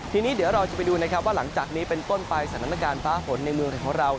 ทีนี้เดี๋ยวเราจะไปดูนะครับว่าหลังจากนี้เป็นต้นไปสถานการณ์ฟ้าฝนในเมืองไทยของเรา